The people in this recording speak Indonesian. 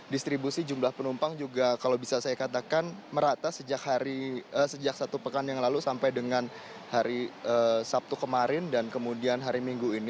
distribusi jumlah penumpang juga kalau bisa saya katakan merata sejak satu pekan yang lalu sampai dengan hari sabtu kemarin dan kemudian hari minggu ini